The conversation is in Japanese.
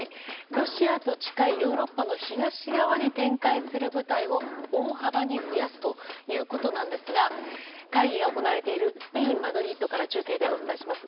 ロシアと近いヨーロッパの東側に展開する部隊を大幅に増やすということなんですが会議が行われているスペイン・マドリードから中継でお伝えします。